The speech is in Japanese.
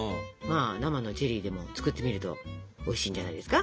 生のチェリーでも作ってみるとおいしいんじゃないですか？